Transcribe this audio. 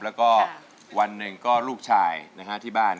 แล้วก็วันหนึ่งก็ลูกชายที่บ้าน